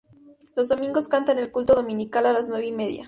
Los domingos canta en el culto dominical a las nueve y media.